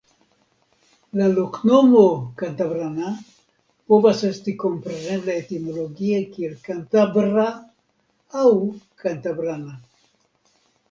La loknomo "Cantabrana" povas esti komprenebla etimologie kiel "Kantabra" aŭ "Kantabrana".